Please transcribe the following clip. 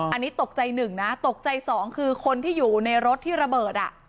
อันนี้ตกใจหนึ่งนะตกใจสองคือคนที่อยู่ในรถที่ระเบิดอ่ะ